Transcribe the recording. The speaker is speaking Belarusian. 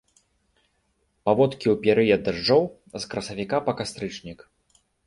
Паводкі ў перыяд дажджоў, з красавіка па кастрычнік.